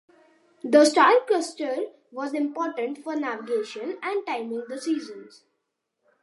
The star cluster was important for navigation and timing the seasons.